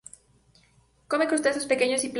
Come crustáceos pequeños y plancton.